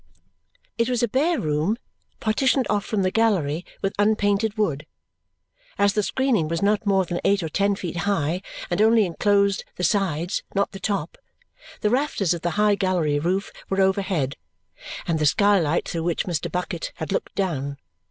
It was a bare room, partitioned off from the gallery with unpainted wood. As the screening was not more than eight or ten feet high and only enclosed the sides, not the top, the rafters of the high gallery roof were overhead, and the skylight through which Mr. Bucket had looked down.